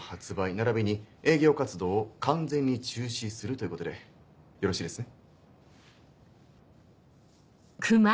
ならびに営業活動を完全に中止するということでよろしいですね？